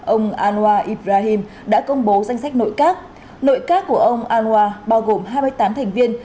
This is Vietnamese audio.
ông alua ibrahim đã công bố danh sách nội các nội các của ông aloa bao gồm hai mươi tám thành viên